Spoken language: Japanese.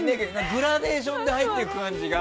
グラデーションで入っていく感じが。